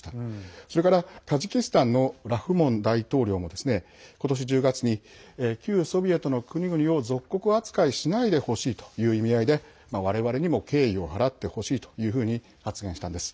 それからタジキスタンのラフモン大統領も今年１０月に旧ソビエトの国々を属国扱いしないでほしいという意味合いで我々にも敬意を払ってほしいというふうに発言したんです。